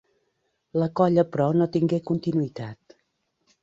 La colla però no tingué continuïtat.